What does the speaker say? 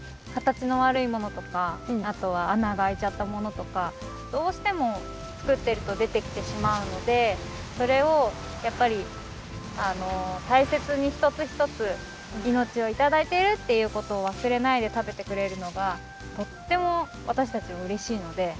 形のわるいものとかあとはあながあいちゃったものとかどうしてもつくっているとでてきてしまうのでそれをやっぱりたいせつにひとつひとついのちをいただいているっていうことをわすれないでたべてくれるのがとってもわたしたちはうれしいので。